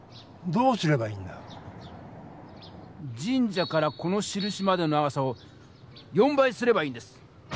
神社からこのしるしまでの長さを４倍すればいいんです。